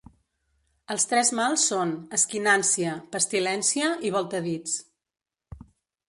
Els tres mals són: esquinància, pestilència i voltadits.